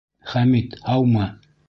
Хәмит, һаумы!